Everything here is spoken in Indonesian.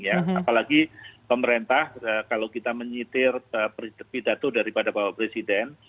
apalagi pemerintah kalau kita menyitir pidato daripada bapak presiden